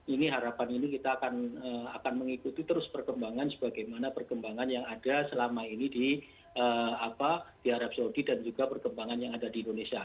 ini harapan ini kita akan mengikuti terus perkembangan sebagaimana perkembangan yang ada selama ini di arab saudi dan juga perkembangan yang ada di indonesia